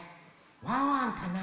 ワンワンかな？